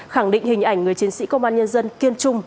khẳng định hình ảnh người chiến sĩ công an nhân dân kiên trung